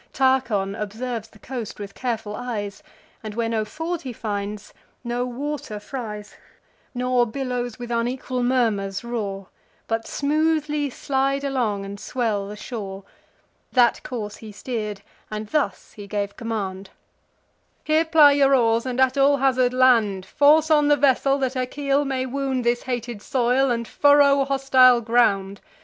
Tarchon observes the coast with careful eyes, And, where no ford he finds, no water fries, Nor billows with unequal murmurs roar, But smoothly slide along, and swell the shore, That course he steer'd, and thus he gave command: "Here ply your oars, and at all hazard land: Force on the vessel, that her keel may wound This hated soil, and furrow hostile ground.